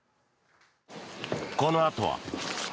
このあとは。